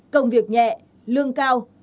công việc nhẹ lương cao